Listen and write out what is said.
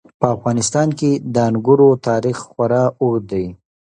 په افغانستان کې د انګورو تاریخ خورا اوږد دی.